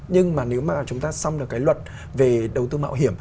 nhưng mà nếu mà chúng ta xong được cái luật về đầu tư mạo hiểm